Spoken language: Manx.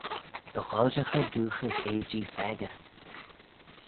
Dy hoilshaghey dooghys eajee pheccah.